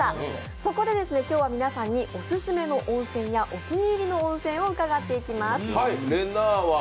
そこで今日は皆さんにおすすめの温泉やお気に入りの温泉を伺っていきます。